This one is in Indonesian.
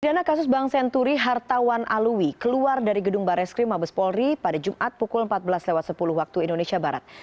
dana kasus bank senturi hartawan alwi keluar dari gedung bareskrim mabes polri pada jumat pukul empat belas sepuluh waktu indonesia barat